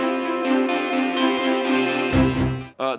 terjadinya kontraksi pada triluan tahun dua ribu delapan belas